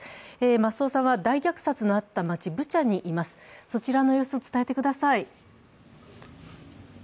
増尾さんは大虐殺のあった街、ブチャにいますそちらの様子、伝えてください。